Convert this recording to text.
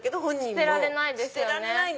捨てられないんですよ。